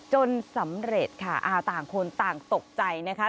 จนสำเร็จค่ะต่างคนต่างตกใจนะคะ